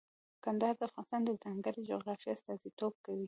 کندهار د افغانستان د ځانګړي جغرافیه استازیتوب کوي.